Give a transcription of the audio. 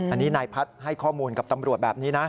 อันนี้นายพัฒน์ให้ข้อมูลกับตำรวจแบบนี้นะ